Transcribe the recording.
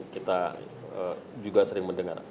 kita juga sering mendengar